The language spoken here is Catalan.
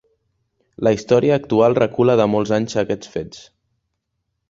La història actual recula de molts anys aquests fets.